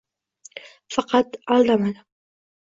Faqat aldamadim.